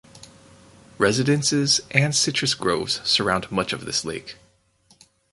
Residences and citrus groves surround much of this lake.